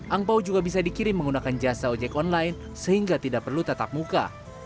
angpao juga bisa dikirim menggunakan jasa ojek online sehingga tidak perlu tetap muka